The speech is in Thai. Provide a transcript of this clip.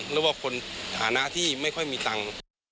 หรือว่าคนฐานะที่ไม่ค่อยมีตังค์